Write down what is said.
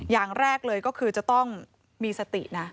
อย่างแรกเลยก็คือจะต้องมีสตินะ